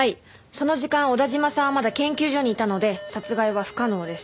その時間小田嶋さんはまだ研究所にいたので殺害は不可能です。